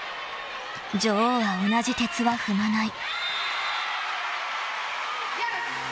［女王は同じ轍は踏まない］